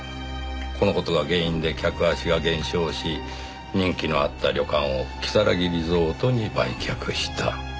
この事が原因で客足が減少し人気のあった旅館を如月リゾートに売却した。